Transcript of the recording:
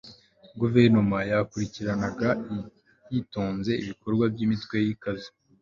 guverinoma yakurikiranaga yitonze ibikorwa by'imitwe ikaze